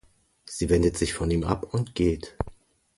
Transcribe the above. Sie wendet sich von ihm ab und geht.